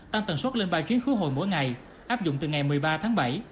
tăng tầng suất lên ba chuyến khứa hồi mỗi ngày áp dụng từ ngày một mươi ba tháng bảy